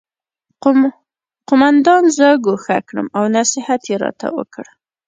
قومندان زه ګوښه کړم او نصیحت یې راته وکړ